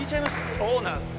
そうなんすか。